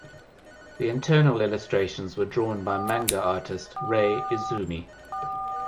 The internal illustrations were drawn by manga artist Rei Izumi.